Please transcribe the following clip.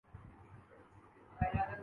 Azores کا معیاری وقت